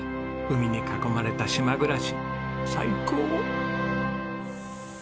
海に囲まれた島暮らし最高！